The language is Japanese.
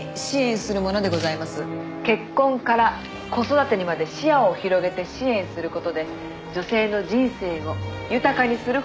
「結婚から子育てにまで視野を広げて支援する事で女性の人生を豊かにする法案でございます」